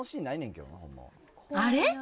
あれ？